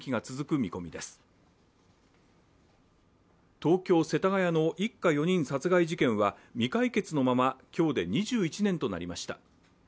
東京・世田谷の一家４人殺害事件は、未解決のまま、今日で２１年となりました。